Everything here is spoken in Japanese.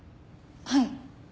はい。